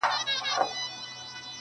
ما ويل ددې به هېرول نه وي زده.